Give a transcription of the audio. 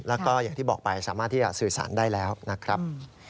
แล้วก็อย่างที่บอกไปสามารถที่จะสื่อสารได้แล้วนะครับ